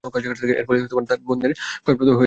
এর ফলে তাঁর কর্মের বন্ধন ক্ষয়প্রাপ্ত হয়েছিল।